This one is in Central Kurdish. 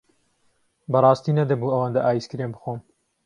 بەڕاستی نەدەبوو ئەوەندە ئایسکرێم بخۆم.